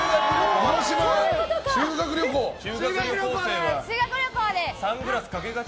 修学旅行です！